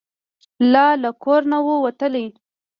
لا له کوره نه وو وتلي.